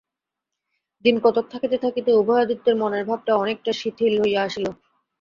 দিনকতক থাকিতে থাকিতে উদয়াদিত্যের মনের ভাবনা অনেকটা শিথিল হইয়া আসিল।